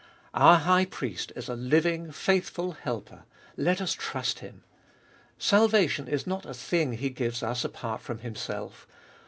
Our High Priest is a living, faithful helper : let us trust Him. Salvation is not a thing He gives us apart from Himself.